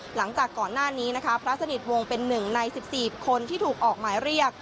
หลังจากก่อนหน้านี้นะคะพระสนิทวงศ์เป็นหนึ่งใน๑๔คนที่ถูกออกหมายเรียก